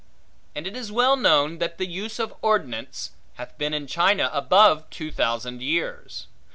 And it is well known that the use of ordnance, hath been in China above two thousand years.